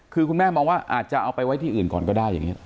คือคุณแม่มองว่าอาจจะเอาไปไว้ที่อื่นก่อนก็ได้อย่างนี้